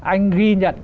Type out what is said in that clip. anh ghi nhận